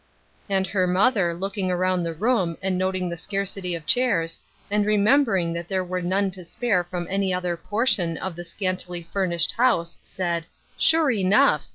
And her mother, looking around the room, and noting the scarcity of chairs, and remember ing that there were none to spare from any other portion of the scantily furnished house, said, " Sure enough